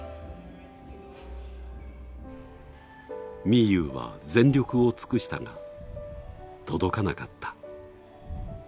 みゆうは全力を尽くしたが届かなかった。